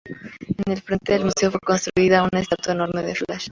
En el frente del museo fue construida una estatua enorme de Flash.